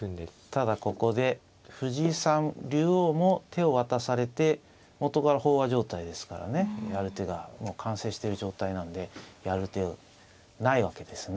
ただここで藤井さん竜王も手を渡されて元から飽和状態ですからねやる手がもう完成してる状態なんでやる手ないわけですね。